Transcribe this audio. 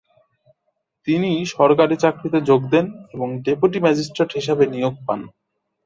তিনি সরকারি চাকরিতে যোগ দেন এবং ডেপুটি ম্যাজিস্ট্রেট হিসেবে নিয়োগ পান।